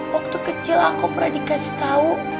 waktu kecil aku pernah dikasih tau